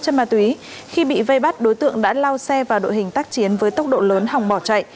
chất ma túy khi bị vây bắt đối tượng đã lao xe vào đội hình tác chiến với tốc độ lớn hòng bỏ chạy